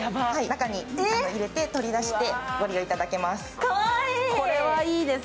中に入れて取り出してご利用いただけます。